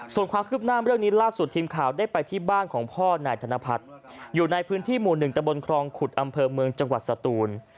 ส่วนความคืบหน้าเรื่องนี้ล่าสุดทีมข่าวได้ไปที่บ้านของพ่อนายธนพัฒน์อยู่ในพื้นที่หมู่๑ตะบนครองขุดอำเภอเมืองจังหวัดสตูน